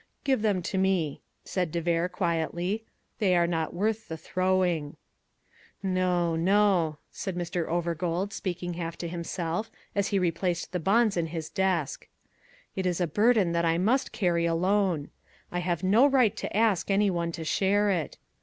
"Give them to me," said de Vere quietly; "they are not worth the throwing." "No, no," said Mr. Overgold, speaking half to himself, as he replaced the bonds in his desk. "It is a burden that I must carry alone. I have no right to ask any one to share it.